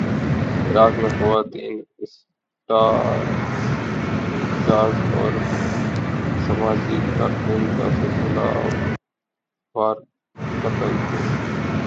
عراق میں خواتین اسٹارز اور سماجی کارکنوں کا سلسلہ وار قتل کیوں